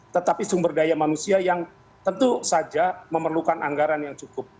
tetapi sumber daya manusia yang tentu saja memerlukan anggaran yang cukup